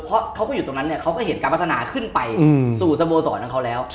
เพราะเขาก็อยู่ตรงนั้นเนี่ยเขาก็เห็นการพัฒนาขึ้นไปสู่สโมสรของเขาแล้ว